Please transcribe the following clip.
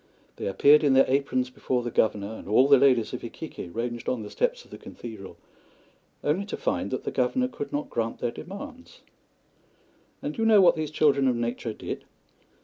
They appeared in their aprons before the Governor and all the ladies of Iquique, ranged on the steps of the cathedral, only to find that the Governor could not grant their demands. And do you know what these children of nature did?